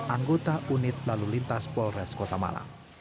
anggota unit lalu lintas polres kota malang